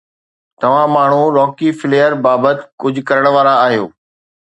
توهان ماڻهو Rocky Flair بابت ڪجهه ڪرڻ وارا آهيو